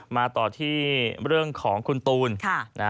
มาต่อที่เรื่องของคุณตูน